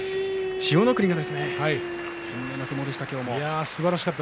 千代の国が懸命な相撲でした。